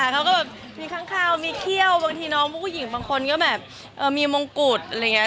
เขาก็แบบมีข้างคาวมีเขี้ยวบางทีน้องผู้หญิงบางคนก็แบบมีมงกุฎอะไรอย่างนี้